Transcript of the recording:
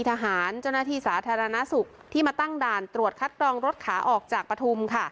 เจ้าหน้าที่สาธารณสุขที่มาตั้งด่านตรวจคัดกรองรถขาออกจากปฐุมค่ะ